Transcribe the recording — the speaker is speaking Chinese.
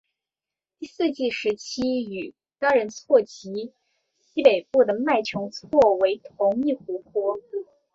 第四纪时期与嘎仁错及西北部的麦穷错为同一湖泊。